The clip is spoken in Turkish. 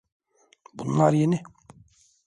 Bunlar yeni.